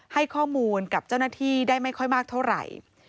ให้ข้อมูลกับเจ้าหน้าที่ได้ไม่ค่อยมากเท่าไหร่